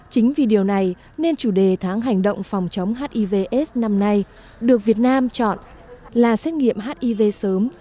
chính vì điều này nên chủ đề tháng hành động phòng chống hivs năm nay được việt nam chọn là xét nghiệm hiv sớm